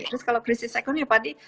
terus kalau krisis ekonomi apa nih